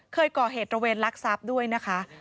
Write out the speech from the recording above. เคยก่อเหตุระเวนลักทรัพย์ด้วยนะคะ